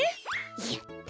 やった！